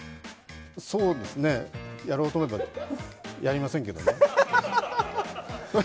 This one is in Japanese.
そうですね、やろうと思えばやりませんけどね。